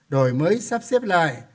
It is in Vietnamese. đổi mới sắp xếp lại